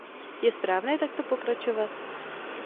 Je správné takto pokračovat?